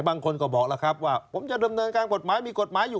บางคนก็บอกแล้วครับว่าผมจะดำเนินการกฎหมายมีกฎหมายอยู่